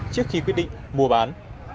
trước khi quyết định mua bán